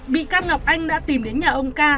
bị can ngọc anh đã tìm đến nhà ông ca